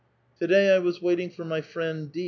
"To day I was waiting for my friend D.